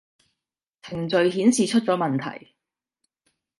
程序顯示出咗問題